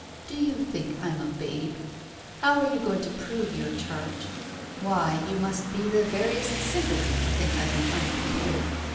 "Do you think I'm a babe? How are you going to prove your charge? Why, you must be the veriest simpleton to think I am unprepared.